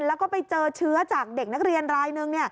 แล้วก็ไปเจอเชื้อจากเด็กนักเรียนรายหนึ่ง